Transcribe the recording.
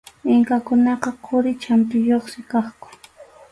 Inkakunaqa quri champiyuqsi kaqku.